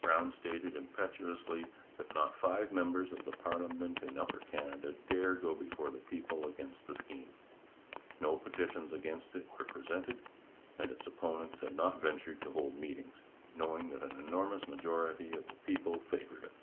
Brown stated impetuously that not five members of parliament in Upper Canada dare go before the people against the scheme. No petitions against it were presented, and its opponents had not ventured to hold meetings, knowing that an enormous majority of the people favoured it.